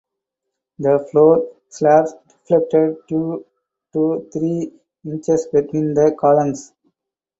The floor slabs deflected two to three inches between the columns.